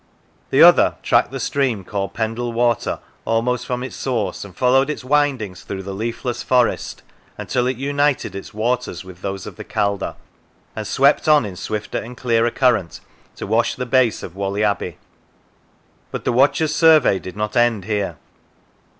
The other tracked the stream called Pendle Water almost from its source, and followed its windings through the leafless forest, until it united its waters with those of the Calder, and swept on in swifter and clearer current, to wash the base of Whalley Abbey. But the watcher's survey did not end here.